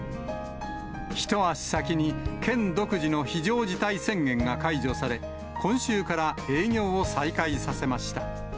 一足先に、県独自の非常事態宣言が解除され、今週から営業を再開させました。